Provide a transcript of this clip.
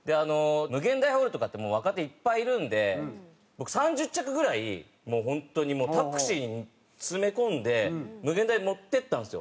∞ホールとかって若手いっぱいいるんで僕３０着ぐらい本当にもうタクシーに詰め込んで∞に持っていったんですよ。